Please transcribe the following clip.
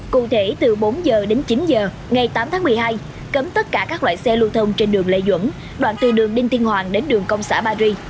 cụ thể từ bốn h đến chín h ngày tám tháng một mươi hai cấm tất cả các loại xe lưu thông trên đường lê duẩn đoạn từ đường đinh tiên hoàng đến đường công xã ba ri